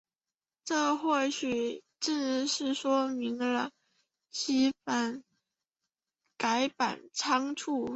这或许正是说明了其改版仓促。